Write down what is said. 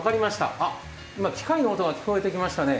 今、機械の音が聞こえてきましたね。